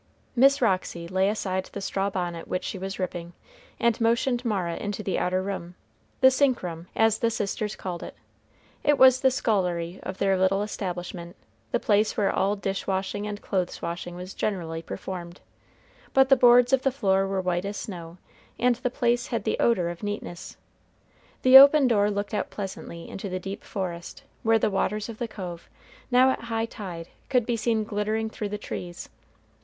Miss Roxy laid aside the straw bonnet which she was ripping, and motioned Mara into the outer room, the sink room, as the sisters called it. It was the scullery of their little establishment, the place where all dish washing and clothes washing was generally performed, but the boards of the floor were white as snow, and the place had the odor of neatness. The open door looked out pleasantly into the deep forest, where the waters of the cove, now at high tide, could be seen glittering through the trees.